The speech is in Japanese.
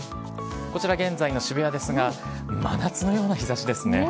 こちら、現在の渋谷ですが、真夏のような日ざしですね。